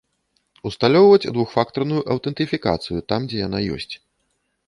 Усталёўваць двухфактарную аўтэнтыфікацыю, там дзе яна ёсць.